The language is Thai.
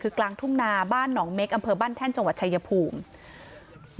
คือกลางทุ่งนาบ้านหนองเม็กอำเภอบ้านแท่นจังหวัดชายภูมิ